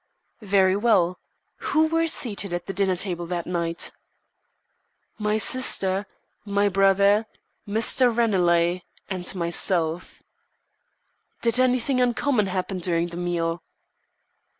"Very well. Who were seated at the dinner table that night?" "My sister, my brother, Mr. Ranelagh, and myself." "Did anything uncommon happen during the meal?"